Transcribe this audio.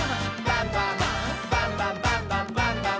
バンバン」「バンバンバンバンバンバン！」